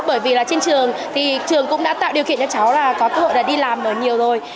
bởi vì là trên trường thì trường cũng đã tạo điều kiện cho cháu là có cơ hội là đi làm nhiều rồi